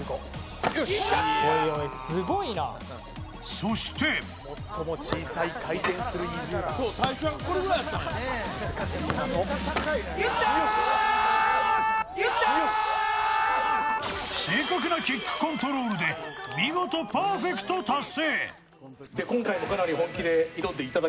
そして正確なキックコントロールで見事パーフェクト達成。